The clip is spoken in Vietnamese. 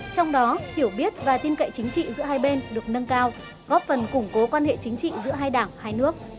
trong đó hiểu biết và tin cậy chính trị giữa hai bên được nâng cao góp phần củng cố quan hệ chính trị giữa hai đảng hai nước